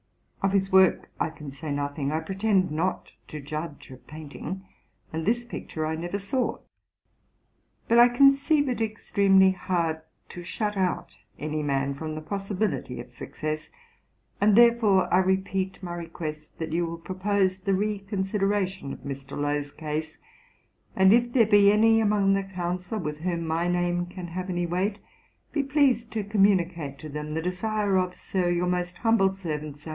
Of his work I can say nothing; I pretend not to judge of painting; and this picture I never saw: but I conceive it extremely hard to shut out any man from the possibility of success; and therefore I repeat my request that you will propose the re consideration of Mr. Lowe's case; and if there be any among the Council with whom my name can have any weight, be pleased to communicate to them the desire of, Sir, Your most humble servant, SAM.